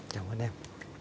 cảm ơn em